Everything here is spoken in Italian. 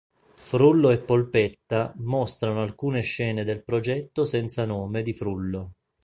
Frullo e Polpetta mostrano alcune scene del "Progetto senza nome di Frullo".